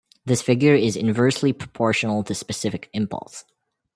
This figure is inversely proportional to specific impulse.